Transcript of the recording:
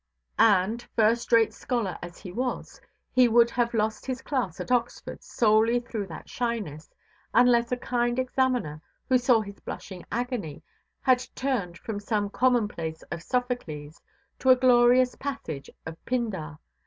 And, first–rate scholar as he was, he would have lost his class at Oxford solely through that shyness, unless a kind examiner, who saw his blushing agony, had turned from some commonplace of Sophocles to a glorious passage of Pindar.